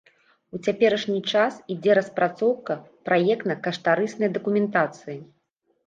У цяперашні час ідзе распрацоўка праектна-каштарыснай дакументацыі.